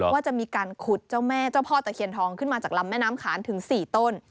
ว่าจะมีการขุดเจ้าแม่เจ้าพ่อตะเคียนทองขึ้นมาจากลำแม่น้ำขานถึง๔ต้น